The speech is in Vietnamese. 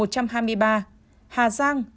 hà giang một trăm một mươi tám